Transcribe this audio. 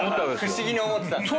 不思議に思ってたんですね。